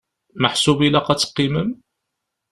Meḥsub ilaq ad teqqimem?